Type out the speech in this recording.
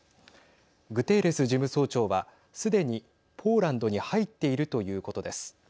グテーレス事務総長はすでにポーランドに入っているということです。